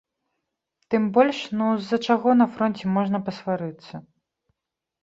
Тым больш, ну, з-за чаго на фронце можна пасварыцца?!